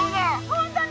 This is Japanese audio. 本当に？